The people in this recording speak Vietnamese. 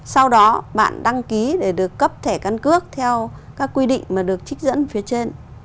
sau đó bạn đăng ký để được cấp thẻ căn cước theo các quy định mà được trích dẫn phía trên